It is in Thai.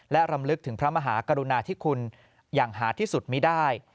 และรำลึกถึงพระมหากรุณาธิคุณอย่างหาที่สุดไม่ได้